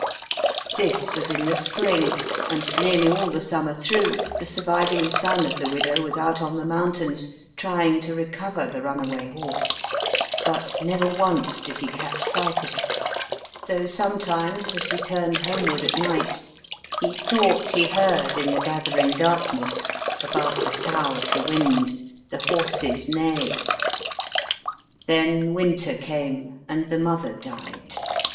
This was in the spring, and nearly all the summer through the surviving son of the widow was out on the mountains, trying to recover the runaway horse, but never once did he catch sight of it, though sometimes, as he turned homeward at night, he thought he heard, in the gathering darkness, above the sough of the wind, the horse s neigh. Then winter 6o MY FIRST BOOK came, and the mother died.